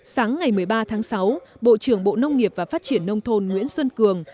sáng ngày một mươi ba tháng sáu bộ trưởng bộ nông nghiệp và phát triển nông thôn nguyễn xuân cường